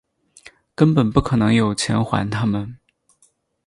根本不可能有钱还他们